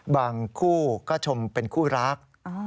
คู่ก็ชมเป็นคู่รัก